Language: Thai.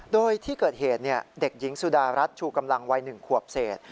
โดยที่เกิดเหตุเด็กหญิงสุดารัฐชูกำลังวัย๑ขวบเศษ